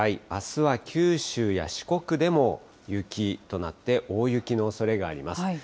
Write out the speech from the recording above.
あすは九州や四国でも、雪となって、大雪のおそれがあります。